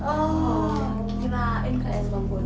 oh kirain kayak sebangun